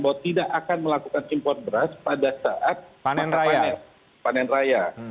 bahwa tidak akan melakukan impor beras pada saat masa panen raya